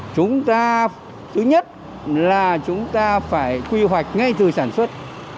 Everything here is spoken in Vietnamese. chúng ta thứ nhất là chúng ta phải quy hoạch ngay từ sản xuất